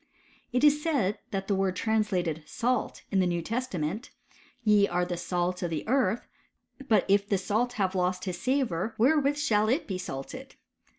It is said, that the word trans lated salt in the New Testament —Ye are the salt of the earth : but if the salt have lost his savour, where with shall it be salted